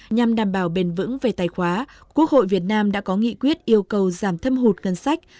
nhằm đảm bảo bền vững về tài khoá quốc hội việt nam đã có nghị quyết yêu cầu giảm thâm hụt ngân sách